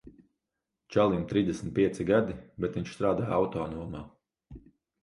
Čalim trīsdesmit pieci gadi, bet viņš strādā autonomā.